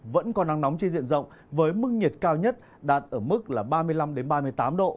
vẫn có nắng nóng chi diện rộng với mức nhiệt cao nhất đạt ở mức ba mươi năm ba mươi tám độ